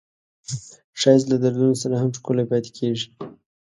ښایست له دردونو سره هم ښکلی پاتې کېږي